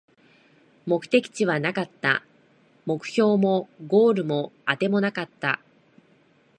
目的地はなかった、目標もゴールもあてもなかった